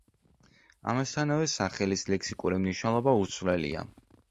ამასთანავე სახელის ლექსიკური მნიშვნელობა უცვლელია.